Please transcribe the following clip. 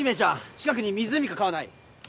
近くに湖か川ない？